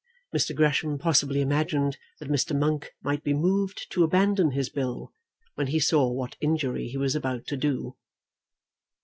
Mr. Gresham possibly imagined that Mr. Monk might be moved to abandon his bill, when he saw what injury he was about to do.